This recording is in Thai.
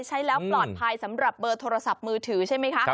ใช้แล้วปลอดภัยสำหรับเบอร์โทรศัพท์มือถือใช่ไหมคะ